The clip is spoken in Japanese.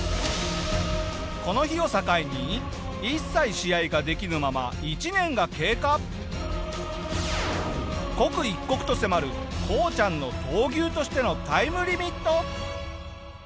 この日を境に刻一刻と迫るこうちゃんの闘牛としてのタイムリミット。